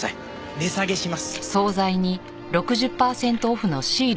値下げします。